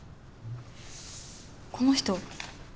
この人。